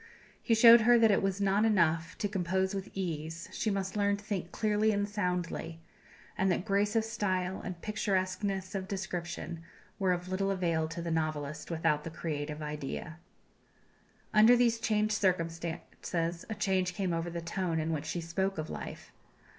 He showed her that it was not enough to compose with ease, she must learn to think clearly and soundly; and that grace of style and picturesqueness of description were of little avail to the novelist without the creative idea. Under these changed circumstances a change came over the tone in which she spoke of life.